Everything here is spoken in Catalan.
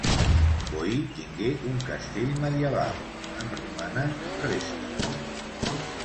Boí tingué un castell medieval; en romanen restes.